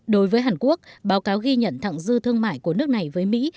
đối với hàn quốc báo cáo ghi nhận thẳng dư thương mại của nước này với mỹ